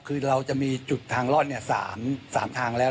คือเราจะมีจุดทางรอด๓ทางแล้ว